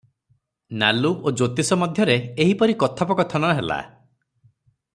ନାଲୁ ଓ ଜ୍ୟୋତିଷ ମଧ୍ୟରେ ଏହିପରି କଥୋପକଥନ ହେଲା ।